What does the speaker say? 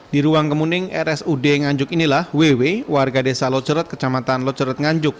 di ruang kemuning rsud nganjuk inilah ww warga desa loceret kecamatan loceret nganjuk